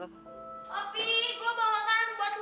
opi gue mau makan buat lo